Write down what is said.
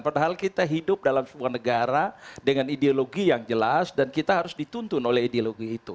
padahal kita hidup dalam sebuah negara dengan ideologi yang jelas dan kita harus dituntun oleh ideologi itu